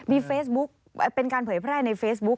มีเฟซบุ๊กเป็นการเผยแพร่ในเฟซบุ๊ค